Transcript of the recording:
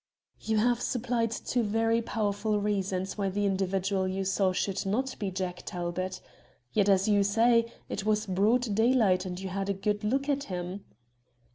"You have supplied two very powerful reasons why the individual you saw should not be Jack Talbot. Yet, as you say, it was broad daylight, and you had a good look at him."